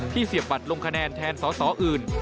เสียบบัตรลงคะแนนแทนสอสออื่น